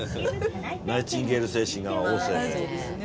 ナイチンゲール精神が旺盛で。